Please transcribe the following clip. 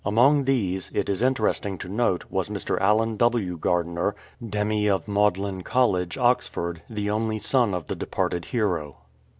An7ong these, it is interesting to note, was Mr. Allen W. Gardiner, demy of Magdalen College, Oxford, the only son of the departed hero.